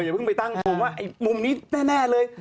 อย่าเพิ่งไปตั้งโทงว่ามุมนี้แน่เลย